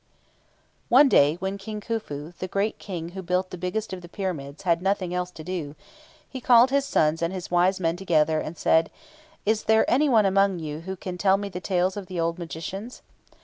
One day, when King Khufu, the great King who built the biggest of the Pyramids, had nothing else to do, he called his sons and his wise men together, and said, "Is there anyone among you who can tell me the tales of the old magicians?"